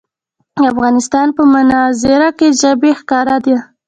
د افغانستان په منظره کې ژبې ښکاره ده.